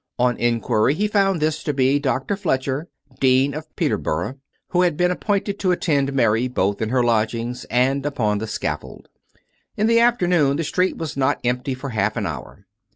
On inquiry, he found this to be Dr. Fletcher, Dean of Peterborough, who had been appointed to attend Mary both in her lodgings and upon the scaffold. In the afternoon the street was not empty for half an hour.